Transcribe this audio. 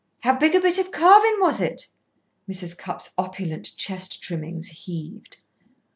How big a bit of carving was it?" Mrs. Cupp's opulent chest trimmings heaved.